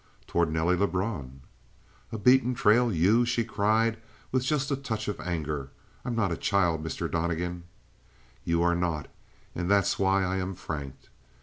"Toward Nelly Lebrun." "A beaten trail? You?" she cried, with just a touch of anger. "I'm not a child, Mr. Donnegan!" "You are not; and that's why I am frank."